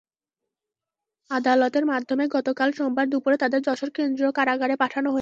আদালতের মাধ্যমে গতকাল সোমবার দুপুরে তাঁদের যশোর কেন্দ্রীয় কারাগারে পাঠানো হয়েছে।